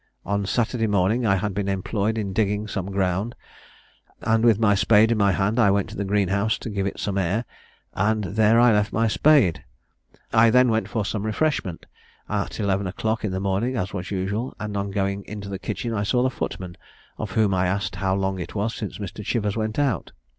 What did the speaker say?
On Saturday morning I had been employed in digging some ground, and with my spade in my hand I went to the green house to give it some air, and there I left my spade. I then went for some refreshment, at eleven o'clock in the morning, as was usual, and, on going into the kitchen, I saw the footman, of whom I asked how long it was since Mr. Chivers went out.